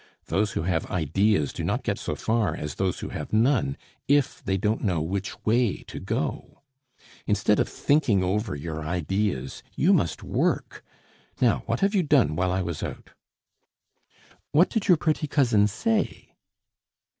Those who have ideas do not get so far as those who have none, if they don't know which way to go. "Instead of thinking over your ideas you must work. Now, what have you done while I was out?" "What did your pretty cousin say?"